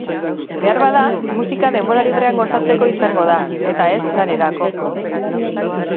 Behar bada, musika denbora librean gozatzeko izango da, eta ez lanerako.